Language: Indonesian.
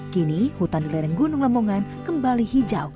kini hutan di lereng gunung lemongan kembali hijau